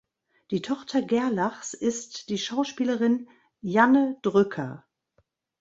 Die Tochter Gerlachs ist die Schauspielerin Janne Drücker.